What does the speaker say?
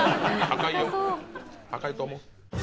高いと思う。